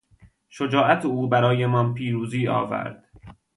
شجاعت او برایمان پیروزی آورد.